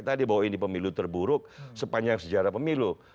tadi bahwa ini pemilu terburuk sepanjang sejarah pemilu